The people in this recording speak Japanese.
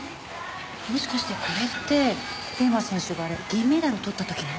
もしかしてこれって桂馬選手が銀メダルを獲った時の？